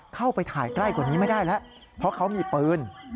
เข้าไปถ่ายใกล้กว่านี้ไม่ได้แล้วเพราะเขามีปืน